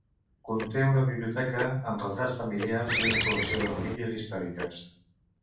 Conté una biblioteca, amb retrats familiars i una col·lecció de relíquies històriques.